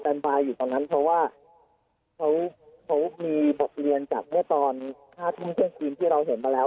บายอยู่ตรงนั้นเพราะว่าเขามีบทเรียนจากเมื่อตอน๕ทุ่มเที่ยงคืนที่เราเห็นมาแล้ว